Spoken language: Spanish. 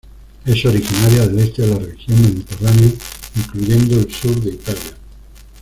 Es originaria del este de la región mediterránea incluyendo el sur de Italia.